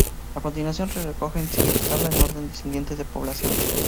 A continuación se recogen en la siguiente tabla, en orden descendiente de población.